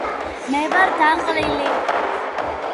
მე ვარ დაღლილი